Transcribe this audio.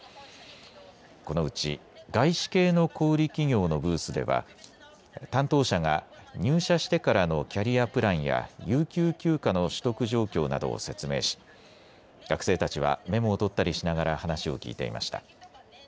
このうち外資系の小売り企業のブースでは担当者が入社してからのキャリアプランや有給休暇の取得状況などを説明し学生たちはメモを取ったりしながら話を聞いていました。